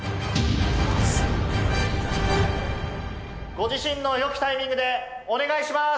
ご自身の良きタイミングでお願いします！